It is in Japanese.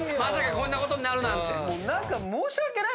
こんなことになるなんて。